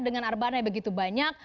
dengan arbanai begitu banyak